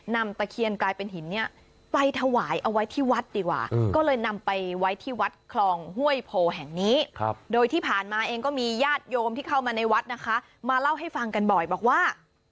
ตะเคียนกลายเป็นหินเนี่ยไปถวายเอาไว้ที่วัดดีกว่าก็เลยนำไปไว้ที่วัดคลองห้วยโพแห่งนี้โดยที่ผ่านมาเองก็มีญาติโยมที่เข้ามาในวัดนะคะมาเล่าให้ฟังกันบ่อยบอกว่า